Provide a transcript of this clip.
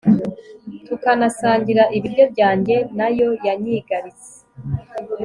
tukanasangira ibiryo byanjye, na yo yanyigaritse